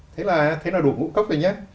thế là đủ ngũ cốc rồi nhé